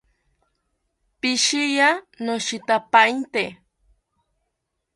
Pishiya, noshitapainte